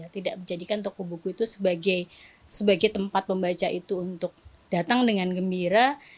tidak menjadikan toko buku itu sebagai tempat pembaca itu untuk datang dengan gembira